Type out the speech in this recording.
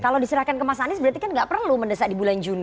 kalau diserahkan ke mas anies berarti kan gak perlu mendesak di bulan yang lain